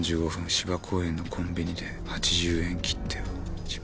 芝公園のコンビニで８０円切手を１枚。